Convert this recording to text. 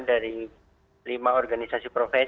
dari lima organisasi profesional